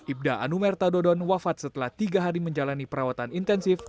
ibda anumerta dodon wafat setelah tiga hari menjalani perawatan intensif